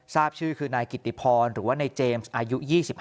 ทราบชื่อคือนายกิติพรหรือว่านายเจมส์อายุ๒๕